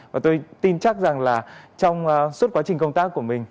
và tôi tin chắc rằng là trong suốt quá trình công tác của mình